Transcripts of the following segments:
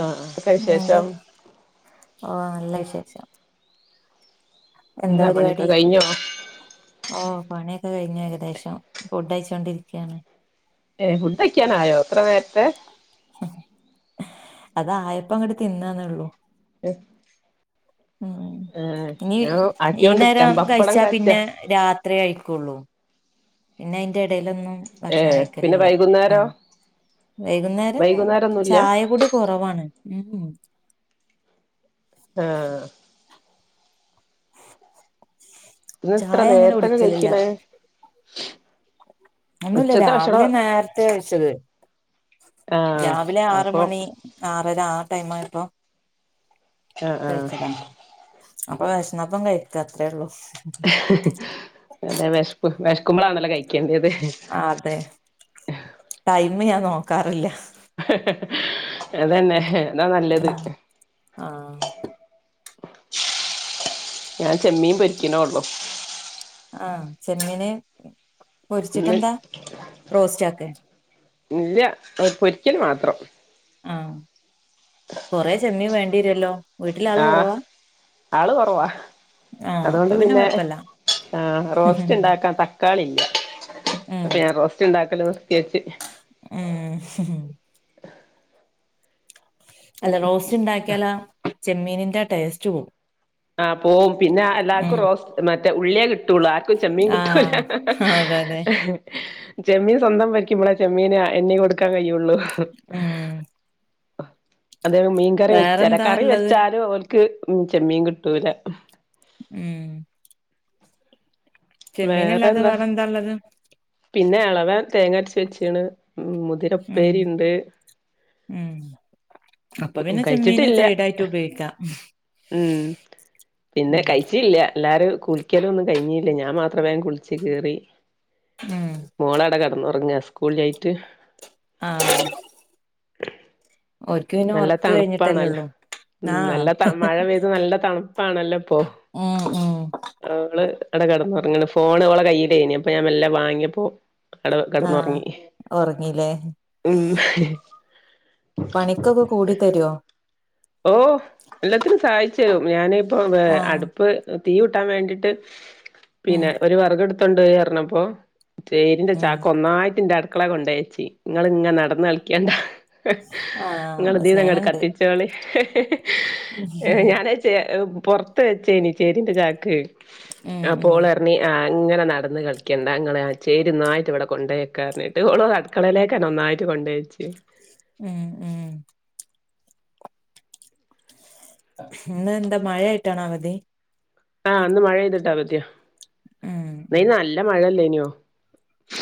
ആഹ് ആഹ് എന്ത് ഓഹ് നല്ല വിശേഷം. എന്താ പണിയൊക്കെ പരിപാടി? കഴിഞ്ഞോ ഓഹ് പണിയൊക്കെ കഴിഞ്ഞ് ഏകദേശം ഫുഡ് കഴിച്ചോണ്ടിരിക്കാണ്. ഏഹ് ഫുഡയ്ക്കാനായോ ഇത്ര നേരത്തെ അതായപ്പോ അങ്ങെട്ട് തിന്നാന്നൊള്ളു. ഉം ഏഹ് ഇനി ഞാൻ ഈ ആക്കിയോണ്ടിക്ക നേരം പപ്പടം കഴിച്ചാ കാച്ചാ പിന്നെ രാത്രി കഴിക്കൊള്ളൂ പിന്നെ അയിന്റെ ഇടേലൊന്നും ഏഹ് പിന്നെ വൈകുന്നേരോ? വൈകുന്നേരം ചായക്കുടി കൊറവാണ് ഉം ആഹ് ഇന്ന് ഇത്ര ചായ അങ്ങനെ നേരത്തൊക്കെ കുടിക്കലില്ല കഴിക്ക്ണേ ഒന്നുല്ല രാവിലെ നേരത്തെ കഴിച്ചത് ആഹ് രാവിലെ ആറ് അപ്പൊ മണി ആറര ആ ടൈംമായപ്പൊ ആഹ് ആഹ് കഴിച്ചതാ അപ്പൊ വെശന്നപ്പം കഴിക്ക അത്രേ ഒള്ളു അതെ വെശപ്പ് വെശക്ക്മ്പളാണല്ലോ കഴിക്കേണ്ടത് ആ അതെ ടൈമ് ഞാൻ നോക്കാറില്ല അതന്നെ അതാ നല്ലത് ഉം ആ ഞാന് ചെമ്മീൻ പൊരിക്ക്ണോള്ളൂ ആഹ് ചെമ്മീന് ഇന്ന് പൊരിച്ചിട്ടെന്താ റോസ്റ്റാക്കെ ഇല്ല പൊ പൊരിക്കല് മാത്രം ആഹ് കൊറേ ചെമ്മീൻ വേണ്ടിരെല്ലോ വീട്ടിലാള് ആഹ് കൊറവാ ആള് കൊറവാ അപ്പൊ അതൊണ്ട് പിന്നെ കൊഴപ്പല്ല ആഹ് റോസ്റ്റ് ഇണ്ടാക്കാൻ തക്കാളില്ല അപ്പ ആഹ് ഞാൻ റോസ്റ്റ്ണ്ടാക്കല് നിർത്തി വെച്ച് ഉം അല്ല റോസ്റ്റ് ഇണ്ടാക്കിയാലാ ചെമ്മീന്ന്റെ ടേസ്റ്റ് പോവും ആഹ് പോവും പിന്നെ എല്ലാർക്കും ഉം റോസ് മറ്റേ ഉള്ളിയെ കിട്ടൊള്ളു ആർക്കും ചെമ്മീൻ ആ കിട്ടൂല അതെ അതെ അ ചെമ്മീൻ സ്വന്തം വെയ്ക്കുമ്പളേ ചെമ്മീന് എണ്ണി കൊട്ക്കാൻ കഴിയൊള്ളു ഉം അതേ മീൻക്കറി വെച്ച വേറെന്താ കറി ഉള്ളത് വെച്ചാലും ഓല്ക്ക് ചെമ്മീൻ കിട്ടൂല ഉം ചെമ്മീനല്ലാതെ വേറെ എന്താള്ളത് പിന്നെ എളവൻ തേങ്ങ അരച്ച് വെച്ച്ണ് ഉം മു ഉം മുതിരപ്പേരി ഉണ്ട് ഉം അപ്പൊ പിന്നെ ചെമ്മീന് കഴിച്ചിട്ടില്ല സൈഡായിട്ട് ഉപയോഗിക്കാം ഉം പിന്നെ ഉം കഴിച്ചില്ല എല്ലാരും കുളിക്കലൊന്നും കഴിഞ്ഞില്ല ഞാൻ മാത്രേ വേം കുളിച്ച് കേറി ഉം മോളട കെടന്നുറങ്ങ സ്കൂൾ ഇല്ലായിറ്റ് ആഹ് ഓര് നല്ല തണുപ്പാണല്ലോ ഉം ആഹ് നല്ല ത മഴ പെയ്ത് നല്ല തണുപ്പാണല്ലോ ഇപ്പൊ ഉം ഉം അവള് അട കിടന്നുറങ്ങണ്‌ ഫോണ് അവളെ കയ്യിയിലേനി അപ്പൊ ഞാൻ മെല്ല വാങ്ങിയപ്പോ അട ആഹ് കടന്നുറങ്ങി ഒറങ്ങീല്ലേ ഉം ഇക്കൊക്കെ കൂടി തരൊ ഓഹ് എല്ലത്തിനും സഹായിച്ചരും ഞാന് ഇപ്പ ആഹ് അടു ഇപ്പൊ തീയൂട്ടാൻ വേണ്ടിട്ട് ഉം പിന്നെ ഒരു വെർക് എടുത്തുണ്ടോരീന്നർഞ്ഞപ്പോ ചേരിന്റെ ഉം ചാക്ക് ഒന്നായിറ്റ്ന്റെ അടുക്കളെ കൊണ്ടയെച്ചി ഇങ്ങള് ഇങ്ങനെ നടന്നളിക്കണ്ട ഇങ്ങള് ആഹ് ഇദീനങ്ങട്ട സ്നേഹണ്ട് കത്തി ഏഹ് ഉം ഞാനത് ചേ പുറത്ത് വെച്ചേനി ചേരിന്റെ ചാക്ക് ഉം ഉം അപ്പോളർ ഞ് ഇങ്ങനെ നടന്ന് കളിക്കണ്ട ഇങ്ങള് ചേരുന്നായിട്ട ഇവിടെ കൊണ്ടോയക്കാറിഞ്ഞിട്ട് ഓള അടുക്കളലേക്കെന്നെ ഒന്നായിട്ട് കൊണ്ടയ്ച്ച് ഏഹ് ഏഹ് ഇന്ന് എന്താ മഴ ആയിട്ടാണ അവധി ആഹ് ഇന്ന് മഴെയ്തിട്ടാ അവധിയ ഉം ഉം ഇപ്പയ്ന് നല്ല മഴയല്ലേനോ.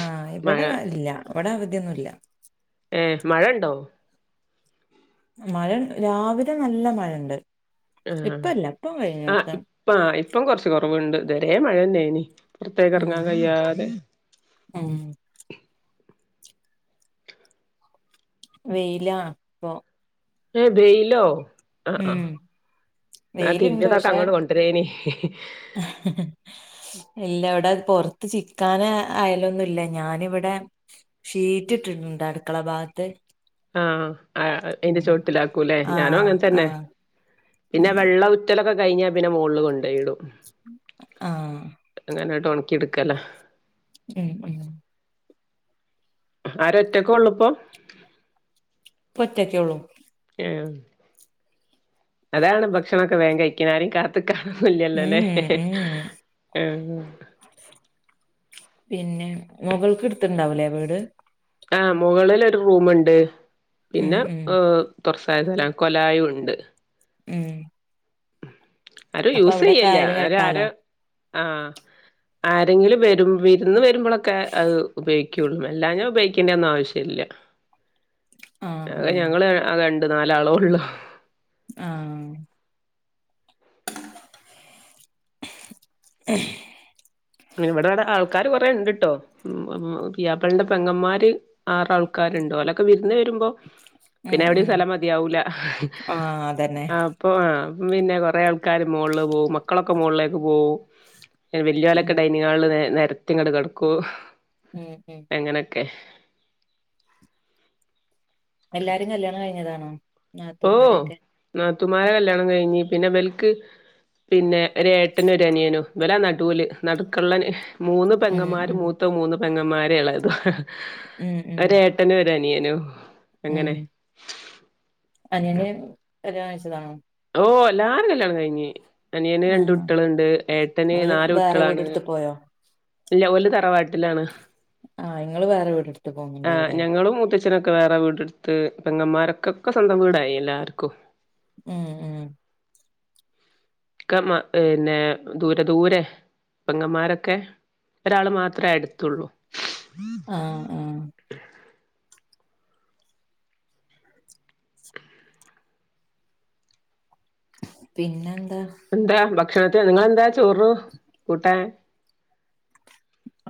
ആഹ് ഇവിടെ ഇല്ല ഇവിടെ അവധിയൊന്നും ഇല്ല. ഏഹ് മഴണ്ടോ? മഴ രാവിലെ നല്ല മഴണ്ട്. ഇപ്പല്ല ഇപ്പം വെയില്ലാട്ടോ പ്പ ഇപ്പം കൊറച്ച് കൊറവ്ണ്ട്. ഇതരേ മഴന്നെനി പുറത്തേക്ക് ഇറങ്ങാൻ കയ്യാതെ. ഏഹ് വെയിലാ പ്പൊ ഏഹ് വെയ്ലോ അഹ് ഉം ആഹ് ന്നാ വെയിലുണ്ട് തിരുമ്പിതൊക്കെ അങ്ങോട്ട് കൊണ്ടരെനി അ ഇല്ല ഇവിടെ പൊറത്ത് ചിക്കാന് ആയലൊന്നുല്ല ഞാനിവിടെ ഷീറ്റ് ഇട്ടിട്ടുണ്ട് അടുക്കള ഭാഗത്ത് ആഹ് അയ്ന്റെ ചൊട്ടിലാക്കൂല്ലേ ഞാനും ആഹ് അങ്ങനെ തന്നെ ആഹ് പിന്നെ ഉം വെള്ള റ്റലൊക്കെ കഴിഞ്ഞാ പിന്നെ മോൾല് കൊണ്ടോയിടും. ആഹ് അങ്ങനെട്ട് ഒണക്കിട്ക്കലാ ഉം ഉം ആര ഒറ്റക്കെള്ളൂപ്പം ഇപ്പൊറ്റക്കെള്ളൂ ഏഹ് അതാണ് ഭക്ഷണൊക്കെ വേം കഴിഞ്ഞത്. ക്കിനാരിം കാത്ത്‌കാനൊന്നില്ലല്ലലേ ഉം ഉം ഉം പിന്നെ മൊകൾക്ക് ഇടുത്തിണ്ടാവുലേ വീട് ആ് മുകളിലൊരു റൂമ്ണ്ട്. ഉം പിന്നെ ഉം തുറസായ സ്ഥലം കൊലായുണ്ട് ഉം ആരും അപ്പൊ അവിടൊക്കെ യൂസെയ്യല്ല അയല് ആര് ആരൊ.. കെട്ടാലോ ആഹ് ആരെങ്കിലും വരു വിരുന്ന് വരുമ്പൊളൊക്കെ അത് ഉപയോഗി- ക്കുള്ളൂ അല്ലാഞ്ഞ ഉപയോഗിക്കേണ്ടേന്നും ആവശ്യം ഇല്ല ആഹ് അതെ - ആഹ് ഞങ്ങള് ആകെ രണ്ട് നാലാളേള്ളു ആഹ് [unintelligible] അങ്ങനെ ഇവിട്വ്ടെ ആൾക്കാര് കൊറേ ഉണ്ട്ട്ടോ പിയാപ്പളീന്റെ പെങ്ങന്മാര് ആറ് ആൾക്കാരുണ്ട് ഓല-. ക്ക വിരുന്ന് വരുമ്പൊ ഉം പിന്നെ എവിടേം ഉം സ്ഥലം മതിയാവൂല ആഹ് അതന്നെ അ - പ്പൊ അപ്പപിന്നെ കൊറേ ആൾക്കാര് മോള്ല് പോകും. മക്കളൊക്കെ മോളിലേക്ക് പോവും വല്ല്യ. ഉം ക്കെ ഡൈനിങ് ഹാളില് നെ രത്തിങ്ങട്ട് കെടക്കൂ ഉം ഉം എങ്ങനൊക്കെ എല്ലാരും കല്യാണം കഴിഞ്ഞതാണോ ഓഹ് നാത്തൂമാരൊക്കെ നാത്തൂമാരെ കല്യാണം കഴിഞ്ഞ് പിന്ന ബെൽക്ക്- പിന്നെ ഒരു ഏട്ടനുംഒരനിയനും വില നടുവില് നടുകള്ള ഞാ - മൂന്ന് ഉം പെങ്ങന്മാര് ഉം മൂത്ത മൂന്ന് പെങ്ങന്മാര് എളേത് ഉം ഉം ഒരേ - ട്ടനും ഒരനിയനും അങ്ങനെ ഉം അനിയന് കല്ല്യാണം കഴിച്ചതാണൊ. ഓഹ് എല്ലാരും കല്യാണം കഴിഞ്ഞ് അനിയന് രണ്ട് ആഹ് കുട്ടിയള്ണ്ട് ഏട്ടന് അവര് നാല് വേറെ കുട്ടിയളാണ്. വീടെടുത്ത് പോയോ അല്ല ഓല് തറവാട്ടിലാണ് ആഹ് ഇങ്ങള് വേറെ വീടെടുത്ത് പോന്നുണ്ടാവില്ലേ. അച്ഛനൊക്കെ വേറെ വീടെടുത്ത് പെങ്ങമാര്ക്കൊക്കെ സ്വന്തം വീടായി എല്ലാർക്കും ഉം ഉം ക്കെ പിന്നെ ദൂരെ ദൂരെ പെങ്ങൻമ്മാരൊക്കെ- ഒരാള് മാത്രേ അടുത്തുള്ളൂ ആഹ് ആഹ് പിന്നെന്താ എന്താ ഭക്ഷണത്തി നിങ്ങളെന്താ ചോറു കൂട്ടാൻ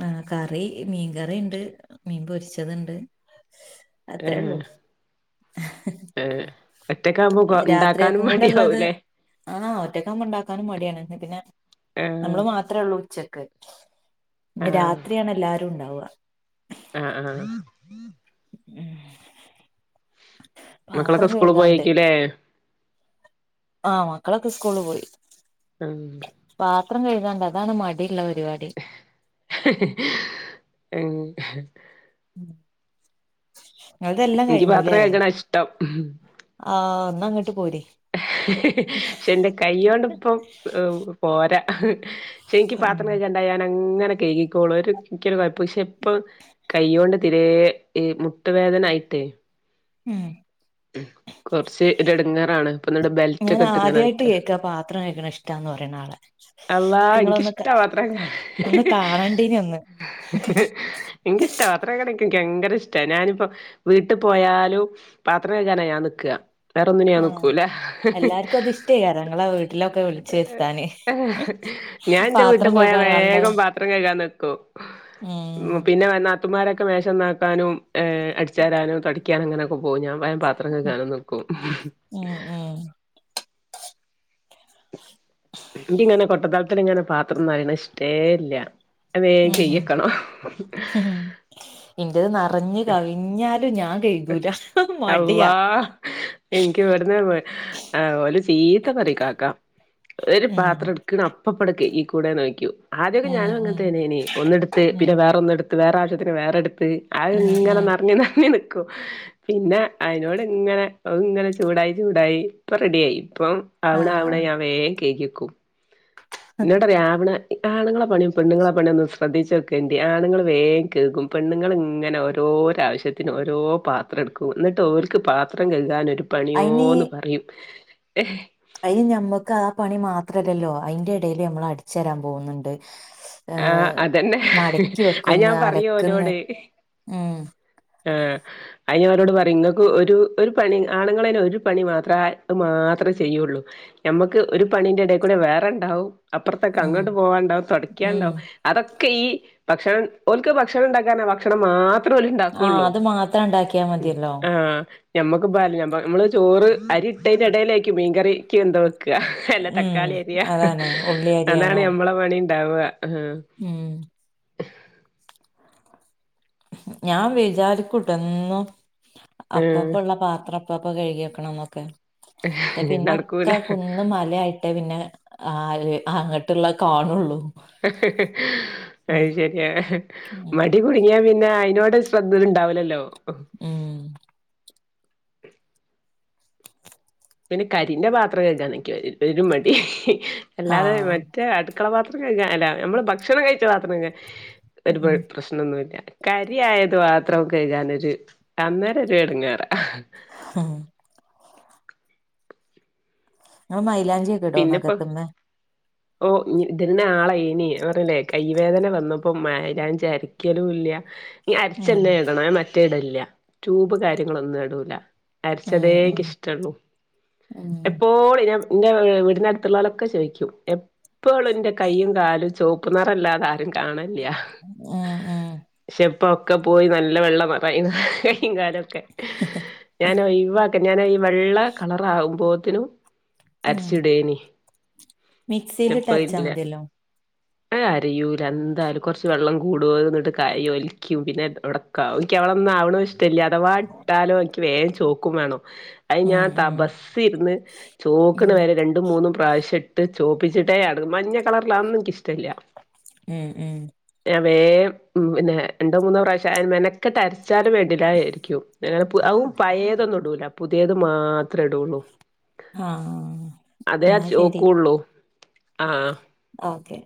ആഹ് കറി മീൻകറിണ്ട് മീൻ പൊരിച്ചതുണ്ട് അത്രേ ഉള്ളൂ ഏഹ് ഏഹ് ഒറ്റക്കാവുമ്പോ കൊ ഇണ്ടാക്കാനും രാത്രിയക്കും കൂടെ ഉള്ളത് മടിയാവൂലേ ആഹ് ഒറ്റക്കാവുമ്പ ഉണ്ടാക്കാനും മടിയാണ് പിന്നെ ആഹ് നമ്മള് മാത്രേ ഉള്ളൂ ഉച്ചക്ക് ഇന്ന് ആഹ് രാത്രിയാണ് എല്ലാരും ഉണ്ടാവുക ആഹ് ആഹ് ഉം മക്കളൊക്കെ പാത്രം സ്കൂളി കഴുകാണ്ട് പോയേക്കല്ലേ ആഹ് മക്കളൊക്കെ സ്കൂളി പോയി ഉം പാത്രം കഴ്കാണ്ട് അതാണ് മടിള്ള പരിപാടി ഉം ഉം നിങ്ങളതെല്ലാം എനിക്ക് കഴിഞ്ഞൂല്ലേ പാത്രം കഴുകണ ഇഷ്ടം ആഹ് ഇന്നങ്ങട്ട് പോരി പക്ഷെ ഇന്റെ കൈയോണ്ട് ഇപ്പം പോരാ. പക്ഷെ എനിക്ക് ഉം പാത്രം കഴികാൻ. ൻ അങ്ങനെ കഴ്കിക്കോള്ളു. ഒരു എനിക്കൊരു കൊഴ്പ്പു ശെ ഇപ്പത് കൈയോണ്ട് തിരേ മുട്ടുവേദനായിട്ടേ. ഉം ഉം കൊറ്ച്ച് ഒരെട്ങ്ങേറാണ്. ഇപ്പൊ ഇന്നട്ട് ബെൽറ്റ് ഞാൻ ഒക്കെ ഇട്ട് ഇങ്ങനെ ആദ്യായിട്ട് നിക്ക കേക്കാ പാത്രം കഴിക്കണ ഇഷ്ടാന്ന് പറയണ ആളെ അള്ളാഹ് നിങ്ങളൊന്ന് ഇൻക്കിഷ്ടാ മാത്രെന്നെ. ഒന്ന് കാണണ്ടീനി ഒന്ന് ഇൻക്കിഷ്ട. പാത്ര കയ്ക്ക ഇനിക്ക് [unintelligible] ക്ക് ഭയങ്കര ഇഷ്ട ഞാനിപ്പം വീട്ടിൽ പോയാലും. പാത്ര കഴ്കാന ഞാ നിക്ക. വേറൊന്നിനും ഞാൻ ആഹ് നിക്കൂല. എല്ലാർക്കും അത് ഇഷ്ടേക്കാരം ഇങ്ങളെ വീട്ടിലൊക്കെ വിളിച്ചു വരുത്താന് ഞാൻ ഇന്റെ വീട്ട് പാത്രം പോയാ കഴുകാൻ വേഗം ആളുണ്ടാവും പാത്രം കഴ്കാൻ നിക്കും. ഉം പിന്നെ വന്നാ [unintelligible] ത്തുമാരൊക്കെ മേശന്നക്കാനും, അട്ച്ചേരാനും തൊടിക്കാനും അങ്ങനെക്കെ പോവും ഞാൻ വേം പാത്ര അത്ര ഉം കഴ്കാനും നിക്കും. ഉം എനിക്ക് ഇങ്ങനെ കൊട്ടത്തൾത്തിലിങ്ങനെ പാത്രംന്നറിയിണെ ഇഷ്ടേ ഇല്ല. അത് വേം കൈക്യക്കണം. ഇന്റെഹ് നറഞ് കവിഞ്ഞാലും ഞാൻ കഴി ഹ് അള്ളാഹ്. എനിക്ക് ഇവിട്ന്ന് ഓല് ചീത്ത പറിം കാക്ക. ഒരു ഉം പാത്രം ഇടു ക്ണെ അപ്പപ്പട്ക്ക് കൈകികൂടെയ് നോയ്ക്കും. ആദ്യാെക്കെ ഉം ഞാനും ഉം അങ്ങൻത്തെന്നേനി. ഒന്നെട്ത്ത് ഉം പിന്നെ വേറെ ഒന്നെടു വേറെ ആവശ്യത്തിന് വേറെടുത്ത്. അത് ഉം ഇങ്ങനെ ഉം നെറ്ഞ്ഞ നെറ്ഞ്ഞ് നിക് പിന്നെ അയ്നോട് ഇങ്ങനെ അഹ് ഇങ്ങനെ ചൂടായി ചൂടായി ഇപ്പൊ റെഡി ആയി. ഇപ്പം ആവ്ണെ ആവ്ണ ഞാ ആഹ് വേം കെഴ്ക്യക്കും. ഇന്നോടറിം ആവ്ണെ ആണുങ്ങളെ പണിം പെണ്ണ്ങ്ങളെ പണിം ഒന്ന് ശ്രദ്ധിച്ചോക്കെണ്ടി. ആണുങ്ങള് വേം കെകും. പെണ്ണുങ്ങള് ഇങ്ങനെ ഓരോരാവശ്യത്തിനു ഓരോ പാത്രം ഇടുക്കും. ഇന്നട്ട് ഓർക്ക് പാത്രം കഴു കാൻ ഒരു അയിന് പണിയോന്ന് പറയും. അയ്ന് ഞമ്മക്ക് ആ പണി മാത്രല്ലല്ലോ. അയ്ന്റെ എടേല് നമ്മൾ അടിച്ചേരാൻ പോകുന്നുണ്ട്. ആഹ് ഏഹ് അതെന്നെ. മടക്കി ആ വെക്കുന്ന് ഞാൻ പറയും അലക്കുന്ന് ഓലോട്. ഉം ആഹ് അത് ഞാൻ ഓലോട് പറിം. ഇങ്ങക്ക് ഒരു ഒരു പണി ആണുങ്ങളയ്ന് ഒരു പണി മാത്രേ മാത്രേ ചെയ്യൊള്ളു. ഞമ്മക്ക് ഒരു പണിന്റെ എടേക്കൂടെ വേറെണ്ടാവും. അപ്പൊറ്ത്തേക്കെ ഉം അങ്ങോട്ട് പോകാ ഇണ്ടാവും. ഉം തൊടക്കാണ്ടാവും. അതൊക്കെ ഈ ഭക്ഷണം ഓൽക്ക് ഭക്ഷണം ഇണ്ടാക്കാനാ ഭക്ഷണം മാത് ത്രം ഓല് ആ ഇണ്ടാക്കൊള്ളു. അത് മാത്രം ഉണ്ടാക്കിയാ മതിയല്ലോ ആഹ് ഞമ്മക്ക് പാല [unintelligible] ഞ [unintelligible] ഞമ്മള് ചോറ് അരി ഇട്ടേന്റെ എടേലേയ്ക്കും മീൻകറിയ്ക്ക് എന്തോ. എല്ല ഉം തക്കാളി എര്യ. അതാണ് ഉള്ളി അതാണ് അരിയാനോ ഞമ്മളെ പണി ഇണ്ടാവ ആ. ഉം ഞാൻ വിചാരിക്കുട്ടൊ എന്നും. ആഹ് അപ്പപ്പള്ള പാത്ര അപ്പപ്പ കഴുകി വെക്കണംന്നൊക്കെ. പക്ഷെ പിന്നെ ഒക്കെ നടക്കൂല കുന്ന് മലായി മറ്റെ പിന്നെ അങ്ങട്ട്ള്ള കാണൊള്ളു. അത് ശര്യ ഉം മടി കുടുങ്ങിയാൻ പിന്നെ അയ്നോട് ശ്രദ്ധല് ഇണ്ടാവുലല്ലോ. ഉം പിന്നെ കരിന്റെ പാത്രം കഴ്കാനാ ഇനക്ക് ഒരു മടി. അല്ലാതെ ആഹ് മറ്റെ അടു മക്കള പാത്രം കഴികാ. അല്ല ഞമ്മളെ ഭക്ഷണം കഴിച്ച പാത്രം കഴികാ ഉം [unintelligible] പ്രശ് നൊന്നുല്ല. കരിയായത് മാത്രം കഴ് കാനൊര് അന്നേരം ഒരു എടുങ്ങേറ. ഉം അത് മൈലാഞ്ചി പിന്നെപ്പം ഓഹ് [unintelligible] ആളായിനി പറഞ്ഞില്ലേ കൈവേദന വന്നപ്പോ മൈലാഞ്ചി അരക്കും ഒരിക്കലുംല്ല ഇ ഉം അരിച്ചെന്നെ ഇടണേ മറ്റേ ഇടില്ല ട്യൂബ് കാര്യങ്ങളൊന്നും ഇടൂല ഉം ഉം അരച്ചതേക്ക് ഇഷ്ടള്ളൂ ഉം എപ്പോളും ഞാൻ [unintelligible] വീടിനടുത്തുള്ളവളൊക്കെ ചോദിക്കും എപ്പളും ന്റെ കയ്യും കാലും ചോപ്പ് നിറല്ലാതാരും കാണല്യ ഉം ഉം പക്ഷെ ഇപ്പൊക്കെ പോയി നല്ല വെള്ളം [unintelligible] കയ്യും കാലും ഞാനോയിവാക്ക ഞാന ഈ വെള്ള കളറാകുമ്പോത്തിനും ഉം ഇനി മിക്സിയിലിട്ട് ഇപ്പ അരച്ചാ ഇല്ല [unintelligible] മതിയല്ലോ കരയൂല എന്തായാലും കുറച്ച് വെള്ളം കൂടോ എന്നിട്ട് കരിയ ഒലിക്കും പിന്നെ ഇവിടെ ക്കാവു എനിക്ക് അവളൊന്നും ആവണും ഇഷ്ടല്ല്യ അഥവാ ഇട്ടാലോ എനിക്ക് വേഗം ചോക്കും വേണം അയ് ഉം ഞാൻ ഉം തപസ്സിരുന്ന് ചോക്കണ ഉം വരെ രണ്ടും മൂന്നും പ്രാവശ്യം ഇട്ട് ചോപ്പിച്ചിട്ടേ അടങ്ങു മഞ്ഞ കളറിലാന്നേ എനിക്കിഷ്ടല്ല്യ ഉം ഉം ഞാൻ വേഗം ഉം പിന്നെ രണ്ടോ മൂന്നോ പ്രാവശ്യം മെനക്കെട്ടരച്ചാലും വെണ്ടീലായിരിക്കും [unintelligible] പു അതും പയതൊന്നും ഇടൂല പുതിയത് മാത്രേ ഇടുള്ളൂ ആഹ് അതെ ആഹ് എന്നാ ശരി ചോക്കൂള്ളൂ ആഹ് ഓക്കെ